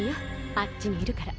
あっちにいるから。